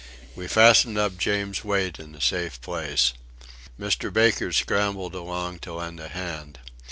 We fastened up James Wait in a safe place. Mr. Baker scrambled along to lend a hand.